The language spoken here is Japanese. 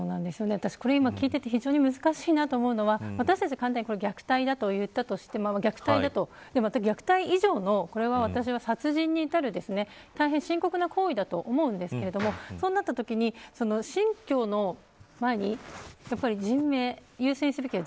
私、今聞いていて非常に難しいと思うのは私たちは虐待だと言ったとしてもこれは、私は虐待以上の殺人に至る大変深刻な行為だと思うんですけどそうなったときに、信教の前に優先すべきは